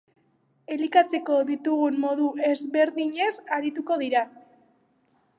Elikatzeko ditugun modu ezberdinez arituko dira.